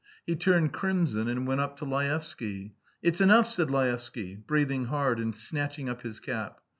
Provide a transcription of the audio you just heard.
He turned crimson and went up to Laevsky. "It's enough," said Laevsky, breathing hard and snatching up his cap.